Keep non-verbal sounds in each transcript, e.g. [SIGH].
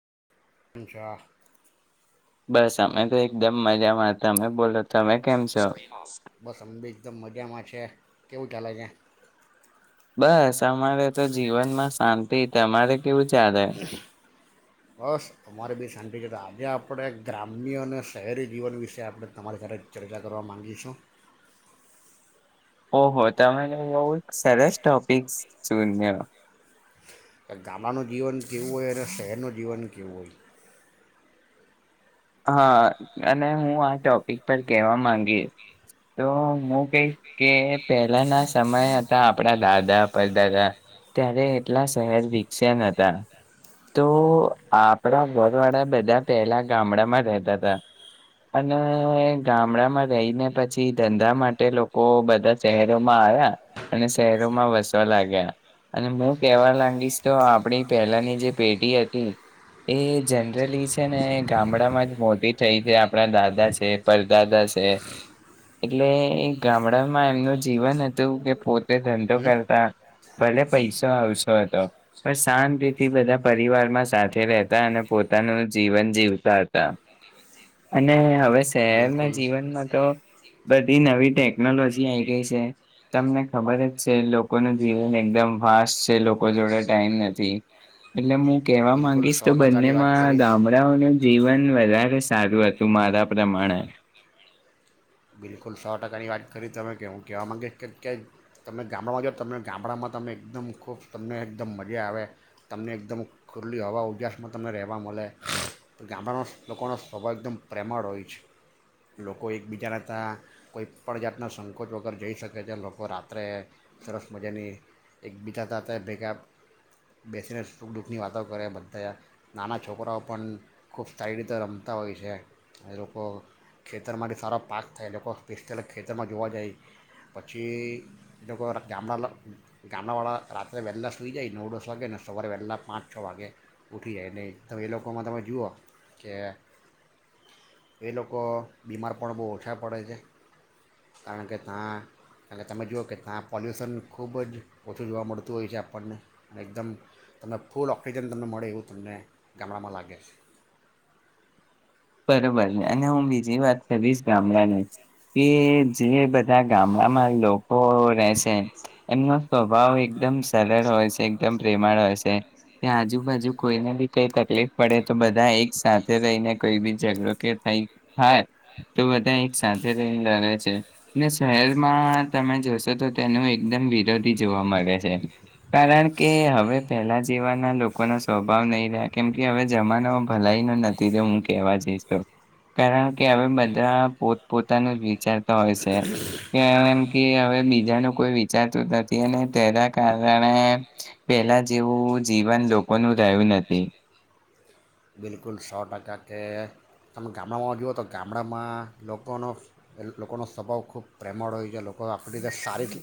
[INAUDIBLE] બસ અમે તો એકદમ મજામાં તમે બોલો તમે કેમ છો બસ અમ બી એકદમ મજામાં છે. કેવું ચાલે છે. બસ તમારે તો જીવનમાં શાંતિ તેમારે કેવું ચાલે બસ અમારે બી શાંતિ છે તો આજે આપણે ગ્રામ્ય અને શહેરી જીવન વિશે આપણે તમારી સાથે ચર્ચા કરવા માગીશું ઓહો તમે તો બહુ સરસ ટોપિક ચુનયો કે ગામડાનું જીવન કેવું હોય અને શહેરનું જીવન કેવું હોય હા અને હું આ ટોપિક પર કહેવા માંગીશ તો હું કહીશ કે પહેલાના સમય હતા આપણા દાદા પરદાદા ત્યારે એટલા શહેર વિકસે ન હતા તો આપણા ઘર વાળા બધા પહેલા ગામડા મા રહે તાતા અને ગામડામાં રહીને પછી ધંધા માટે લોકો બધા શહેરોમાં આવ્યા અને શહેરોમાં વસવા લાગ્યા અને હું કેવા લાગીશ તો આપણી પહેલાની જે પેઢી હતી એ જનરલી છે ને ગામડા મોટી થઈ છે આપણા દાદા છે પરદાદા છે એટલે ગામડામાં એમનું જીવન હતું કે પોતે ધંધો હમ કરતા ભલે પૈસો ઓછો હતો પણ શાંતિથી બધા પરિવારમાં સાથે રહેતા અને પોતાનું જીવન જીવતા હતા. તા અને હવે શહેરના બિલકુલ જીવનમાં તો બધી નવી ટેકનોલોજી આઈ ગઈ છે તમને ખબર જ છે લોકોનું જીવન એકદમ ફાસ્ટ છે લોકો જોડે ટાઈમ નથી એટલે હું કેવા બિલકુલ માંગીશ સો તો ટકાની વાત બંનેમાં કરીશ ગામડાઓને જીવન વધારે સારું હતું મારા પ્રમાણે બિલકુલ સો ટકાની વાત કરી તમે કે હું કહેવા માગીશ કે કે તમે ગામડામાં જાાવ તમને ગામડામાં તમે એકદમ ખૂબ તમને એકદમ મજા આવે તમને એકદમ ખુલ્લી હવા ઉજાસમાં તમને રહેવા મળે ગામડાનો લોકોનો સ્વભાવ એકદમ પ્રેમાળ હોય છે લોકો એકબીજાના તથાં કોઈ પણ જાતના સંકોચ વગર જઈ શકે છે લોકો રાત્રે સરસ મજાની એકબીજા સાથે ભેગા બેસીને સુખ દુઃખની વાતો કરે બધા નાના છોકરાઓ પણ ખૂબ સારી રીતે રમતા હોય છે લોકો ખેતરમાંથી સારો પાક અ એ લોકો સ્પેશલ ખેતરમાં જોવા જાય પછી એ લોકો ગામડા ગામડાવાળા રાત્રે વહેલાં સુઈ જાય નવ દોસ વાગે ને સવારે વહેલાં પાંચ છ વાગે ઉઠી જાય નહીં તો એ લોકોમાં તમે જુઓ કે એ લોકો બીમાર પણ બહુ ઓછા પડે છે. કારણ કે ત્યાં કારણ કે તમે જુઓ કે ત્યાં પોલ્યુશન ખૂબ જ ઓછું જોવા મળતું હોય છે આપણને એકદમ તમને ફૂલ ઓક્સિજન તમને મળે એવું તમને ગામડામાં લાગે છે. બરોબર અને હું બીજી વાત વીસ ગામડાને કે જે બધા ગામડામાં લોકો રહેશે એમનો સ્વભાવ એકદમ સરળ હોય છે એકદમ પ્રેમાળ હોય છે કે આજુબાજુ કોઈને બી કઈ તકલીફ પડે તો બધા એક સાથે રહીને કહીબી ઝગડો કે થાય તો બધા એક સાથે રહી લડે છે શહેરમાં તમે જોશો તો તેનું એકદમ વિરોધી જોવા મળે છે કારણ કે હવે પહેલા જેવાના લોકોનો સ્વભાવ નહીં રહ્યા કેમ કે હવે જમાનો ભલાઈ નો નથી રહો મકી કેવા જઈશ કારણ કે હવે બધા પોતપોતાનું જ વિચારતા હોય છે કેમ કે હવે બીજાનું કોઈ વિચારતું નથી અને તેના કારણે પેલા જેવું જીવન લોકોનું રહ્યું નથી. બિલકુલ સો ટકા કે તમે ગામડામાં જુઓ તો ગામડામાં લોકોનો લોકોનો સ્વભાવ ખૂબ પ્રેમળ હોય છે લોકો આપણી રીતે સારી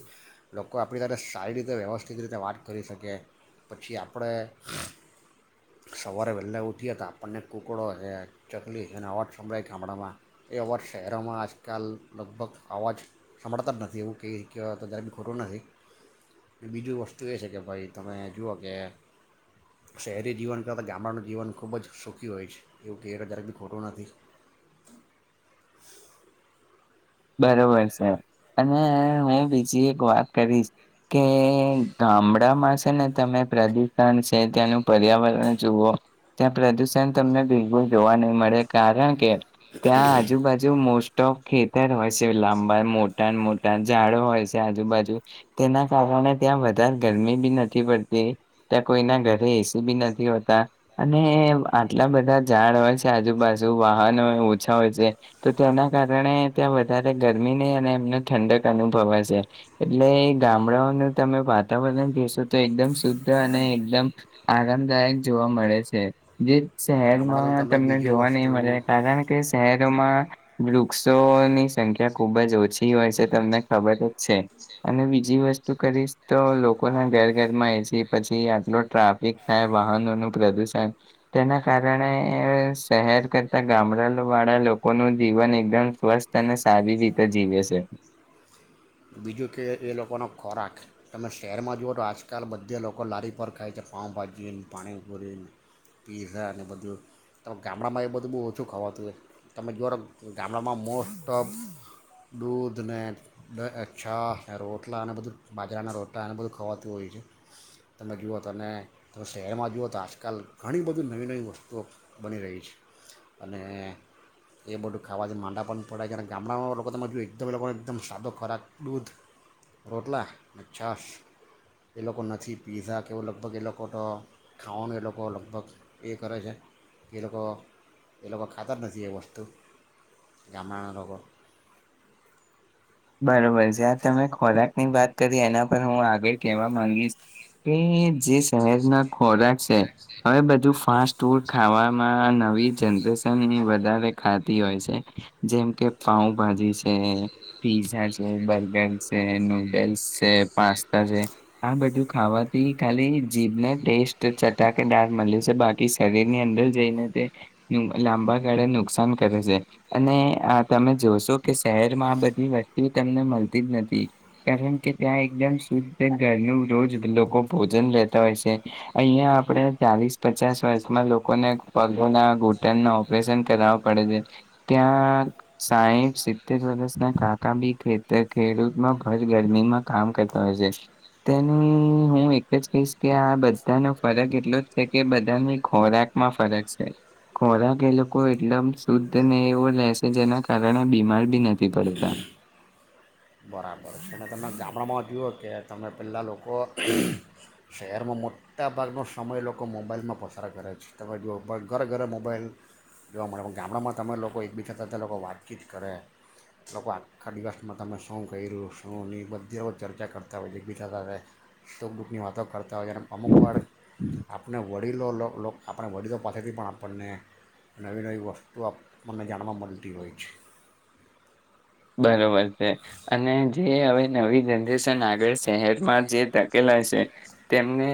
લોકો આપણી સાથે સારી રીતે વ્યવસ્થિત રીતે વાત કરી શકે પછી આપણે સવારે વહેલા ઉઠ ઉઠીએ હતા બંને કુકડો છે ચકલી છેને અવાજ સંભળાય ગામડામાં એ અવાજ શહેરોમાં આજકાલ લગભગ અવાજ સંભળતા જ નથી એવું કઈ કહેવાય તો જ્યારે બી ખોટું નથી બીજું વસ્તુ એ છે કે ભાઈ તમે જુઓ કે શહેરી જીવન ક તો ગામડાનું જીવન ખ ખૂબ જ સુખી હોય છે એવું કે જ્યારેક બી ખોટો નથી. બરોબર છે અને હ બીજી એક વાત કરીશ કે ગામડામાં છે ને તમે પ્રદુષણ છે ત્યાંનું પર્યાવરણ જુઓ ત્યાં પ્રદુષણ તમને બિલકુલ જોવા નહી મળે કારણ કે ત્યાં આજુબાજુ મોસ્ટ ઓફ ખેતી ખેતર હોય છે લાંબા મોટા મોટા ઝાડ હોય છે આજુબાજુ તેના કારણે ત્યાં વધારે ગરમી બી નથી પડતી ત્યાં કોઈના ઘરે એસી બી નથી હોતા અને આટલા બધા ઝાડ હોય છે આજુબાજુ વાહન હોય ઓછા હોય છે તો તેના કારણે ત્યાં વધારે ગરમી નહી અને એમને ઠંડક અનુભવા છે એટલે એ ગામડાઓનું તમે વાતાવરણ જશો તો એકદમ શુદ્ધ અને એકદમ આરામદાયક જોવા મળે છે જે ગામડાનું શહેરમાં તમે તમને બીજું જોવા નહી વસ્તુ મળે કારણ કે શહેરોમાં વુંક્ષોસો ની સંખ્યા ખુબ જ ઓછી હોય છે તમને ખબર જ છે અને બીજી વસ્તુ કરીશ તો લોકોના ઘર ઘરમાં એસી પછી આટલો ટ્રાફિક થાય વાહનોનું પ્રદુષણ તેના કારણે શહેર કરતા ગામડા વાળા લોકોનું જીવન એકદમ સ્વસ્થ તને સારી રીતે જીવે છે. બીજું કે એ લોકોનો ખોરાક તમે શહેરમાં જુઓ તો આજકાલ બધે લોકો લારી પર ખાય છે પાઉભાજી પાણીપુરીને પીઝા અને બધું તમે ગામડામાં એ બધું બહુ ઓછું ખાવાતું હોય તમે જુઓ તો ગામડામાં મોસ્ટ ઓફ દૂધને છા રોટલા અને બધું બાજરાના રોટલા અને બધું ખાવાતું હોય છે તમે જુઓ તો અને તમે શહેરમાં જુઓ તો આજકાલ ઘણી બધી નવી નવી વસ્તુઓ બની રહી છે અને એ બધું ખાવાથી માંદા પણ પડાય છે અને ગામડામાં લોકો તમે જોવુઓ એકદમ એ લોકોને એકદમ સાદો ખોરાક દૂધ રોટલા અને છાસ એ લોકો નથી પીતા કેવું લગભગ એ લોકો તો ખાવાનું એ લોકો લગભગ એ કરે છે એ લોકો એ લોકો ખાતા જ નથી એ વસ્તુ ગામડાના લોકો બરોબર જ્યાં તમે ખોરાકની વાત કરી એના પર હું આગળ કેહેવા માંગીશ કે જે શહેરના ખોરાક છે હવે બધું ફાસ્ટ ફૂડ ખાવામાં નવી જનરેશન વધારે ખાતી હોય છે જેમ કે પાઉભાજી છે. પીઝા છે બર્ગર છે નૂડલ્સ છે પાસ્તા છે આ બધું ખાવાથી ખાલી જીભને ટેસ્ટ ચટાકેદાર મળે છે બાકી શરીરની અંદર જઈને તે લાંબા ગાળે નુકસાન કરે છે અને તમે જોશો કે શહેરમાં આ બધ વસ્તુ તમને મળતી જ નથી કારણ કે ત્યાં એકદમ શુદ્ધ ઘરનું રોજ લોકો ભોજન લેતા હોય છે અહિયાં આપણે ચાલીસ પચાસ વર્ષમાં લોકોને પગોના ઘૂટણના ઓપરેશન કરાવ પડે છે ત્યાં સાહીઠ સિત્તેર વર્ષ કાકા બી ખેતર ખેડૂતમાં ભર ગરમીમાં કામ કરતા હોય છે તેને હું એક જ કહીશ કે આ બધાનો ફરક એટલો જ છે કે બધાને ખોરાકમાં ફરક છે ખોરાક એ લોકો એટલમ શુદ્ધ ને એવો રેશે જેના કારણે આ બીમાર બી નથી પડતા. બરાબર છે અને તમે ગામડામાં જુઓ કે તમે પહેલાં લોકો શહેરમાં મોટાભાગનો સમય લોકો મોબાઈલમાં પસાર કરે છે તમે જોવુઓ પણ ઘરે ઘરે મોબાઈલ જોવા મળે પણ ગામડામાં તમે લોકો એકબીજા થતા લોકો વાતચીત કરે લોકો આખા દિવસમાં તમે શું કર્યું. શુંની બધી લોકો ચર્ચા કરતા હોય જે બી થાતા સુક દુઃખની વાતો કરતા હોય છે અમુક વાર આપણે વડીલો આપણે વડીલો પાસેથી પણ આપણને નવી નવી વસ્તુ આપણને જાણવા મળતી હોય છે. બરોબર છે અને જે હવે નવી જનરેશન આગળ શહેરમાં જે ટકેલા છે તેમને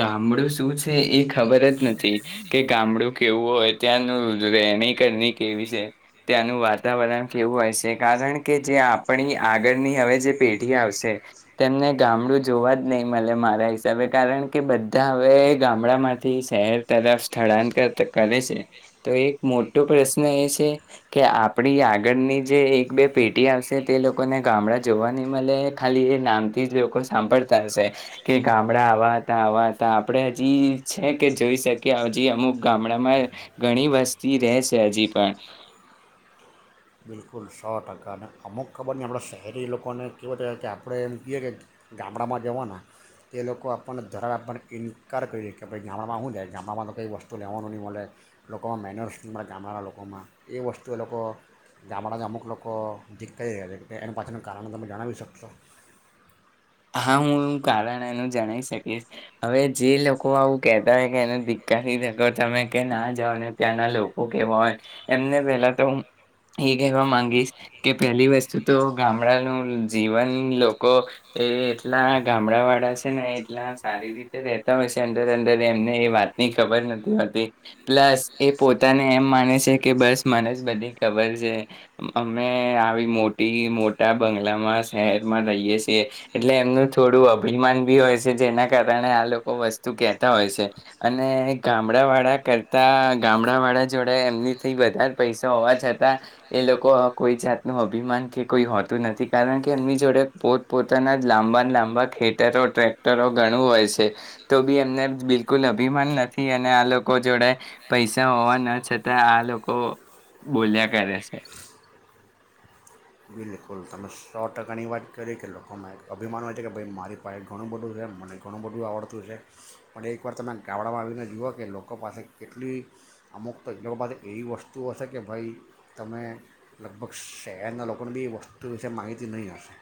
ગામડું શું છે એ ખબર જ નથી કે ગામડું કેવું હોય ત્યાંનું રહેણી કરની કેવી છે ત્યાંનું વાતાવરણ કેવું હોય છે. કારણ કે જે આપણી આગળની હવે જે પેઢી આવશે તેમને ગામડું જોવા જ નહીં મળે મારા હિસાબે કારણ કે બધા હવે ગામડા માંથી શહેર તરફ સ્થળાંતર કરે છે તો એક મોટો પ્રશ્ન એ છે કે આપણી આગળની જે એક બે પેઢી આવશે તે લોકોને ગામડા જોવા નહી મળે ખાલી એ નામથી જ લોકો સાંભળતા હશે કે ગામડા આવા હતા આવા હતા આપણે હજી છે કે જોઈ શકીએ હજી અમુક ગામડામાં ઘણી વસ્તી રહે છે હજી પણ. બિલકુલ સો ટકાના અમુક ખબર નહી આપણાં શહેરી લોકોને કેવો કહે કે આપણે એમ કહીએ કે ગામડામાં જવાના એ લોકો આપણને ધરાવ આપને ઇન્કાર કરે કે ભાઈ ગામડામાં શું જાય ગામડામાં તો કંઈ વસ્તુ લેવાનું નહીં મળે લોકોમાં મહેનત ન મળે ગામડાના લોકોમાં એ વસ્તુ એ લોકો ગામડામાં અમુક લોકો જીકતાઈ રહ્યા છે એની પાછળનું કારણ તમે જણાવી શકશો. હા હું એ કારણ એનું જણાય શકીશ હવે જે લોકો આવું કેહેતા હોય કે એને દીકથી જગ તમે કે ના જાઓ ને ત્યાંના લોકો કેવા હોય એમને પેલા તો હું એ કહેવા માંગીશ કે પેલી વસ્તુ તો ગામડાનું જીવન લોકો એ એટલા ગામડા વાળા છે ને એટલા સારી રીતે રેતા હોય છે અંદર અંદર એમને એ વાતની ખબર નથી હોતી પ્લસ એ પોતાને એમ માને છે કે બસ મને જ બધી ખબર છે અમે આવી મોટી મોટા બંગલામાં શહેરમાં રહીએ છીએ એટલે એમનું થોડું અભિમાન બી હોય છે જેના કારણે આ લોકો વસ્તુ કેહેતા હોય છે અને ગામડા વાળા કરતા ગામડા વાળા જોડે એમનીથી વધારે પૈસા હોવા છતાં એ લોકો કોઈ જાતનું અભિમાન કે કોઈ હોતું નથી કારણ કે એમની જોડે પોતપત પોના લાંબા લાંબા ખેટરો ટ્રેક્ટરો ઘણું હોય છે તો બી એમને બિલકુલ અભિમાન નથી અને આ લોકો જોડે પૈસા હોવા ના છતાં આ લોકો બોલ્યા કરે છે. બિલકુલ તમે સો ટકાની વાત કરી કે લોકોમાં એક અભિમાન હોય છે કે ભાઈ મારી પાસે ઘણું બધું છે મને ઘણું બધું આવડતું છે પણ એકવાર તમે ગામડામાં આવીને જુઓ કે લોકો પાસે કેટલી અમુક તો એ લોકો પાસે એવી વસ્તુઓ હશે કે ભાઈ તમે લગભગ શહેરના લોકોને બી એ વસ્તુ તે વિશે માહિતી નહીં હશે.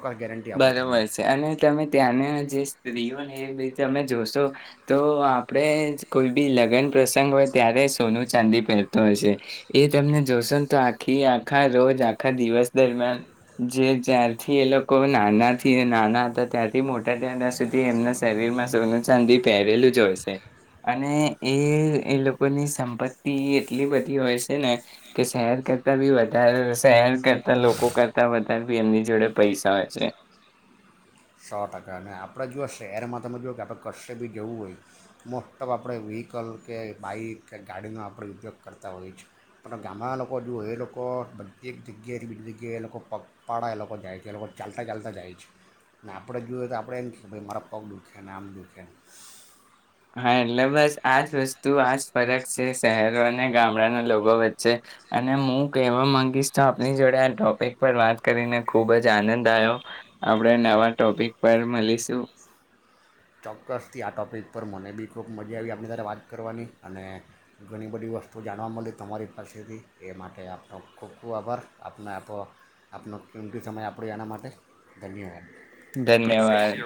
ચોકકસ ગેરન્ટી આપુ તમને બરોબર છે અને તમે ત્યાંના જે સ્ત્રીઓને એ તમે જોશો તો આપણે કોઈ બી લગ્ન પ્રસંગ હોય ત્યારે સોનું ચાંદી પહેરતો હશે એ તમને જોશો ને તો આખી આખા રોજ આખા દિવસ દરમિયાન જે ત્યારથી એલો લોકો નાનાથી નાના હતા ત્યાંથી મોટા ાડા્યા સુધી એમના શરીર માં સોનું ચાંદી પહેરેલું જ હોય છે અને એ એ લોકોની સંપત્તિ એટલી બધી હોય છે ને કે શહેર કરતા બી વધારે શહેર કરતા લોકો કરતા વધારે બી એમની જોડે પૈસા થાય છે. સો ટકા અને આપણે જોએ શહેરમાં તમે જોુઓ કે આપણે કચ્ચે બી જવું હોય મોસ્ટ ઓફ આપણે વ્હીકલ કે બાઈક કે ગાડીનો આપણે ઉપયોગ કરતા હોઈ છે પણ ગામડા લોકો જુઓ એ લોકો બધ એક જગ્યાએ બીજી જગ્યાએ એ લોકો પગપાળા એ લોકો જાય છે એ લોકો ચાલતા ચાલતા જાય છે. ને આપણે જોઈએ તો આપણે એમ છ ભ મારા પગ દુખે ને આમ દુખેને. હા એટલે બસ આજ વસ્તુ આજ ફરક છે શહેરો અને ગામડાના લોકો વચ્ચે અને હું કહેવા ગીશ તો આપની જોડે આ ટોપિક પર વાત કરીને ખુબ જ આનંદ આવ્યો આપણે નવા ટોપિક પર મળીશું. ચોક્કસથી આ ટોપિક પર મને બી ખૂબ મજા આવી આપણી સાથે વાત કરવાની અને ઘણી બધી વસ્તુ જાણવા મળી તમારી પાસેથી એ માટે આપનો ખૂબ ખૂબ આભાર આપનો આ તો આપનો ચંકી સમય આપણે એના માટે ધન્યવાદ. પશતી. ધન્યવાદ